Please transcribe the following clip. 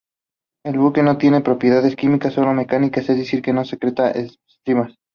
El buche no tiene propiedades químicas, solo mecánicas, es decir que no secreta enzimas.